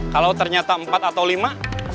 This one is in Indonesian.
kalau ternyata empat atau lima